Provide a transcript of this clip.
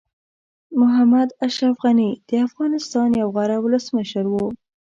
محمد اشرف غني د افغانستان یو غوره ولسمشر وو.